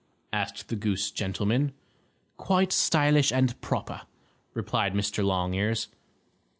asked the goose gentleman. "Quite stylish and proper," replied Mr. Longears.